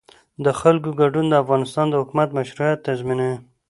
د خلکو ګډون د افغانستان د حکومت مشروعیت تضمینوي